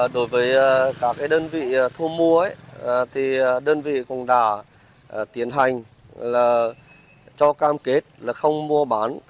đối với các đơn vị thu mua đơn vị cũng đã tiến hành cho cam kết không mua bán